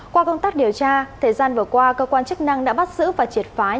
qua công tác điều tra thời gian vừa qua cơ quan chức năng đã bắt giữ và triệt phái